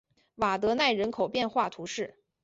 瓦德奈人口变化图示